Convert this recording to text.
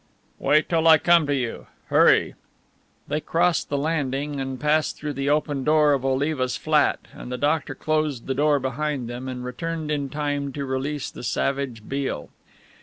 "Wait till I come to you. Hurry!" They crossed the landing and passed through the open door of Oliva's flat and the doctor closed the door behind them and returned in time to release the savage Beale.